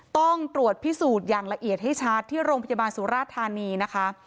ต้องตรวจพิสูจน์อย่างละเอียดให้ชัดที่โรงพยาบาลสุราธานีนะคะ